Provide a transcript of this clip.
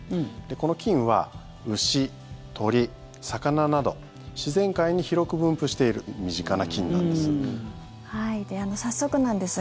この菌は牛、鶏、魚など自然界に広く分布している身近な菌なんです。